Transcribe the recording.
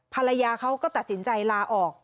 ภรรยาเขาก็ตัดสินใจลาออก